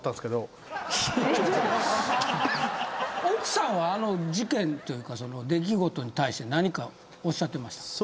奥さんはあの事件というか出来事に対して何かおっしゃってました？